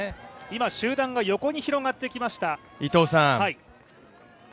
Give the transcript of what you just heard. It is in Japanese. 今、集団が横に広がってきました。